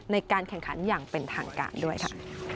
ในการแข่งขันอย่างเป็นทางการด้วยค่ะ